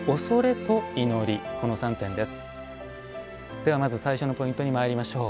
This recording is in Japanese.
ではまず最初のポイントにまいりましょう。